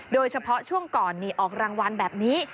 โดยเฉพาะช่วงก่อนออกรางวัลแบบนี้